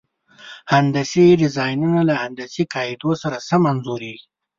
هندسي ډیزاینونه له هندسي قاعدو سره سم انځوریږي.